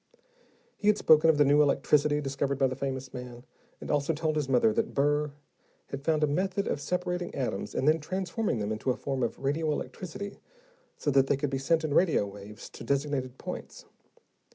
He had spoken of the new electricity discovered by the famous man, and also told his mother that Burr had found a method of separating atoms and then transforming them into a form of radio electricity so that they could be sent in radio waves, to designated points.